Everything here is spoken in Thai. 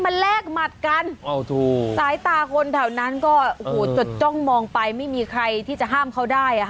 มันแลกหมัดกันสายตาคนแถวนั้นก็โอ้โหจดจ้องมองไปไม่มีใครที่จะห้ามเขาได้อ่ะค่ะ